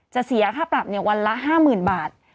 เสียค่าปรับวันละ๕๐๐๐บาท